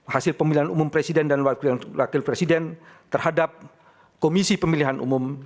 hasil pemilihan umum presiden dan wakil presiden terhadap komisi pemilihan umum